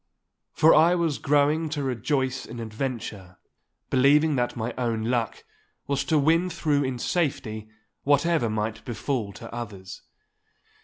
For I was growing to rejoice in adventure, believing that my own luck was to win through in safety whatever might befall to others.